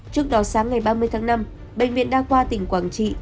trước đó sáng ngày ba mươi tháng năm bệnh viện đa khoa tỉnh quảng trị